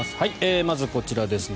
まずこちらですね。